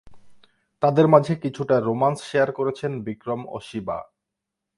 তাদের মাঝে কিছুটা রোম্যান্স শেয়ার করেছেন বিক্রম ও শিবা।